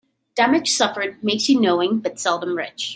Damage suffered makes you knowing, but seldom rich.